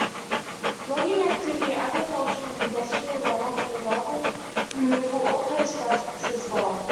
Logging activity, agricultural and industrial runoff, and gravel removal all pose threats as well.